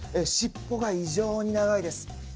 尻尾が異常に長いです。